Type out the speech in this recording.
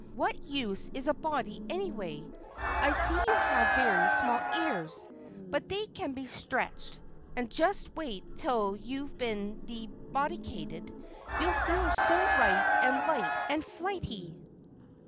"What use is a body, anyway? I see you have very small ears, but they can be stretched. And just wait till you've been debodicated, you'll feel so right and light and flighty."